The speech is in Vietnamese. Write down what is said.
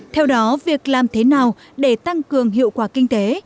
theo đó việc làm thế nào để tăng cường hiệu quả kinh tế